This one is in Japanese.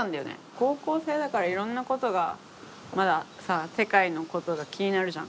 高校生だからいろんなことがまださ世界のことが気になるじゃん。